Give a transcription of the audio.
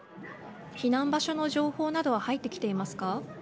避難場所の情報などは入ってきていますか。